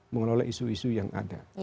mengelola isu isu yang ada